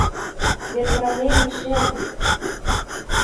Вет правлений член!